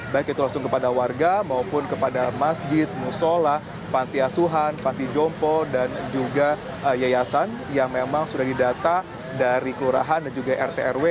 baik itu langsung kepada warga maupun kepada masjid musola panti asuhan panti jompo dan juga yayasan yang memang sudah didata dari kelurahan dan juga rt rw